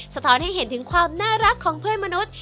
สะท้อนให้เห็นถึงความน่ารักของเพื่อนมนุษย์